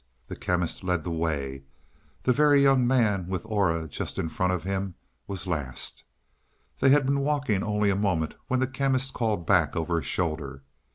The Chemist led the way; the Very Young Man, with Aura just in front of him, was last. They had been walking only a moment when the Chemist called back over his shoulder.